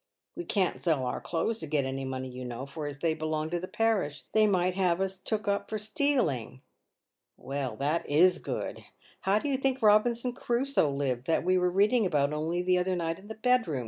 "We can't sell our clothes to get any money, you know, for, as they belong to the parish, they might have us took up for stealing." " Well, that is good ! How do you think Eobinson Crusoe lived, that we were reading about only the other night in the bedroom ?"